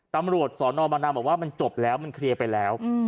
ตำรวจสอนอบางนาบอกว่ามันจบแล้วมันเคลียร์ไปแล้ว